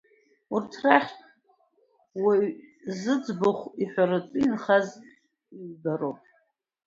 Урҭ рахьтә уаҩы зыӡбахә иҳәаратәы инхаз ҩба роуп.